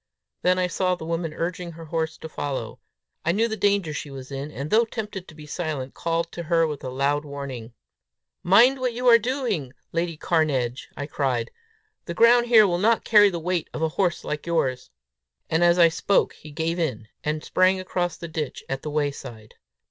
Then I saw the woman urging her horse to follow. I knew the danger she was in, and, though tempted to be silent, called to her with a loud warning. "Mind what you are doing, Lady Cairnedge!" I cried. "The ground here will not carry the weight of a horse like yours." But as I spoke he gave in, and sprang across the ditch at the way side.